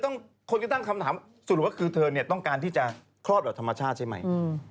ทีนี้คนต้องคำถามสรุปก็คือเธอต้องการที่จะครอดแบบธรรมชาติใช่ไหม